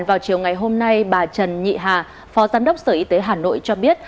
vào chiều ngày hôm nay bà trần nhị hà phó giám đốc sở y tế hà nội cho biết